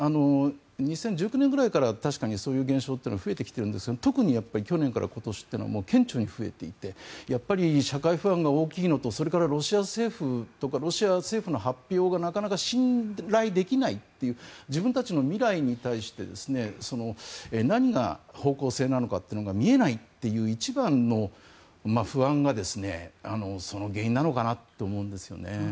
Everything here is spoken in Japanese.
２０１９年くらいから確かにそういう現象は増えてきているんですが特に去年から今年というのは顕著に増えていてやっぱり社会不安が大きいのとロシア政府とか政府の発表がなかなか信頼できないという自分たちの未来に対して何が方向性なのかというのが見えないという一番の不安がその原因なのかなと思うんですよね。